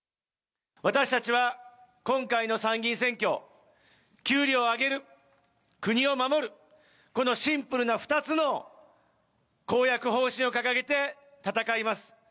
私たちは今回の参議院選挙、給料を上げる、国を守る、このシンプルな２つの公約方針を掲げて戦います。